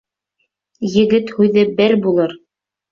— Егет һүҙе бер булыр.